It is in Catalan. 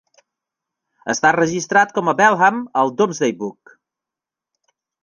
Està registrat com a Beleham al Domesday Book.